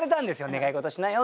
「願い事しなよ」って。